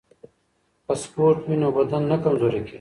که سپورت وي نو بدن نه کمزوری کیږي.